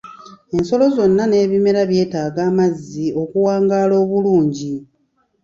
Ensolo zonna n'ebimera byetaaga amazzi okuwangaala obulungi.